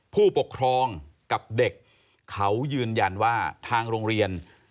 ผู้ปกครองกับเด็กเขายืนยันว่าทางโรงเรียน